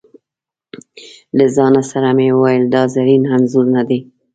له ځانه سره مې وویل: دا زرین انځور نه دی.